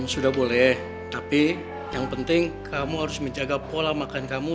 sudah boleh tapi yang penting kamu harus menjaga pola makan kamu